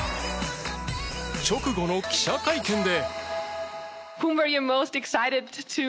直後の記者会見で。